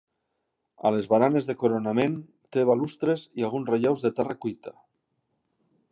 A les baranes de coronament té balustres i alguns relleus de terra cuita.